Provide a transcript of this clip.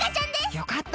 よかった！